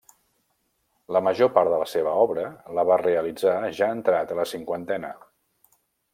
La major part de la seva obra la va realitzar ja entrat en la cinquantena.